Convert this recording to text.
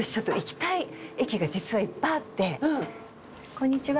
こんにちは。